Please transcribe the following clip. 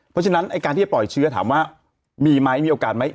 เพราะฉะนั้นการที่จะปล่อยเชื้อถามว่ามีไหมมีโอกาสไหม